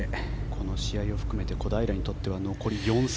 この試合を含めて小平は残り４戦。